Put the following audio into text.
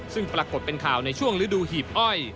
ซึ่งปรากฏเป็นข่าวในช่วงฤดูหีบอ้อย